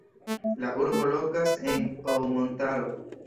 La urbo lokas en Ou montaro.